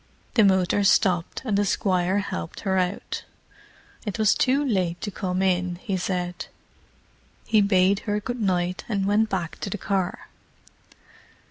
The motor stopped, and the Squire helped her out. It was too late to come in, he said; he bade her good night, and went back to the car.